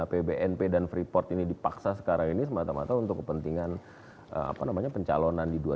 apbnp dan freeport ini dipaksa sekarang ini semata mata untuk kepentingan pencalonan di dua ribu dua puluh